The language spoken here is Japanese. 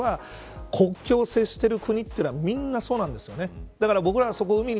ただこれは国境を接している国というのはみんなそうなんです。